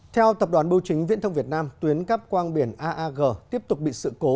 theo tập đoàn bưu chính viễn thông việt nam tuyến cắp quang biển aag tiếp tục bị sự cố